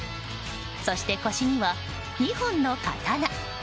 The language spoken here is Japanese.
そして、腰には２本の刀。